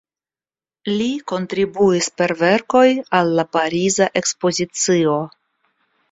Li kontribuis per verkoj al la Pariza Ekspozicio.